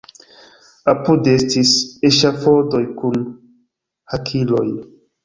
Apude estis eŝafodoj kun hakiloj.